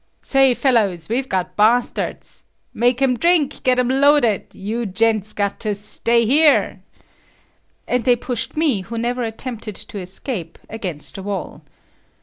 "Say, fellows, we've got bastards. Make them drink. Get them loaded. You gents got to stay here." And they pushed me who never attempted to escape against the wall.